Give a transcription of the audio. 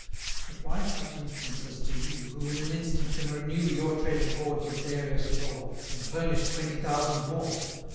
But why such instances to you, Who, in an instant, can renew 215 Your treasured hoards of various lore, And furnish twenty thousand more?